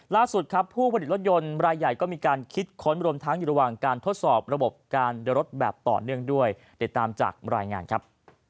ล่าสุดครับผู้ผลิตรถยนต์รายใหญ่ก็มีการคิดค้นรวมทั้งอยู่ระหว่างการทดสอบระบบการเดินรถแบบต่อเนื่องด้วยติดตามจากรายงานครับ